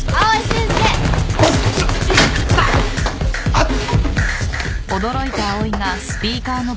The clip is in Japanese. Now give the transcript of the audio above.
あっ。